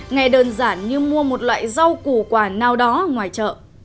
nghe đơn giản như mua một loại rau củ quả nào đó ngoài chợ